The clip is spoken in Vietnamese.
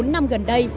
bốn năm gần đây